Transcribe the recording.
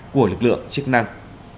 của lực lượng chức năng